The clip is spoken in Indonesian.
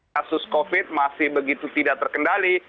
kasus covid masih begitu tidak terkendali